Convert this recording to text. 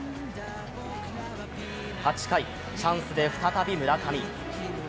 ８回チャンスで再び村上。